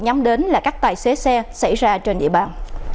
nhắm đến là các tài xế xe xảy ra trên địa bàn